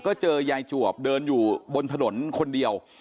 ก็เจอยายจวบเดินอยู่บนถนนคนเดียว